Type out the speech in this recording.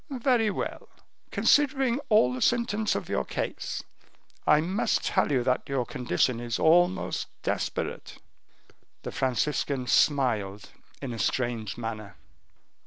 "Very well. Considering all the symptoms of your case, I must tell you that your condition is almost desperate." The Franciscan smiled in a strange manner.